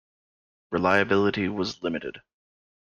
Reliability was limited.